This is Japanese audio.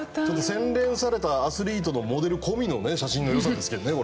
洗練されたアスリートのモデル込みのね写真の良さですけどね